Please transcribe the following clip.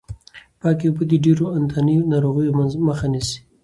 پاکې اوبه د ډېرو انتاني ناروغیو مخه نیسي.